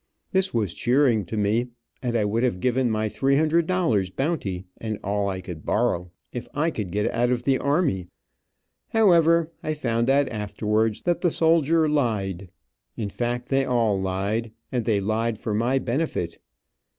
This was cheering to me, and I would have given my three hundred dollars bounty, and all I could borrow, if I could get out of the army. However, I found out afterwards that the soldier lied. In fact they all lied, and they lied for my benefit.